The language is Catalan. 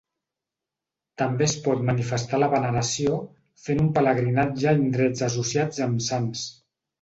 També es pot manifestar la veneració fent un pelegrinatge a indrets associats amb sants.